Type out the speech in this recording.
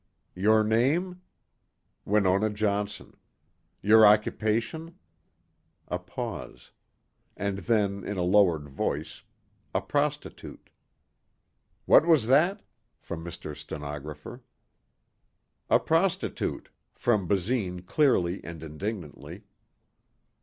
Your name? Winona Johnson. Your occupation? A pause. And then in a lowered voice, a prostitute. What was that? from Mr. Stenographer. A prostitute, from Basine clearly and indignantly.